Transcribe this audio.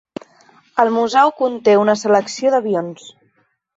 El museu conté una selecció d'avions.